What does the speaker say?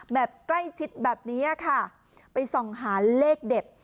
แบบใกล้ชิดแบบนี้ค่ะไปส่องหาเลขเด็ด